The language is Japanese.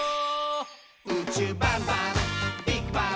「うちゅうバンバンビッグバン！」